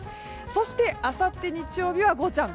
そして、あさって日曜日はゴーちゃん。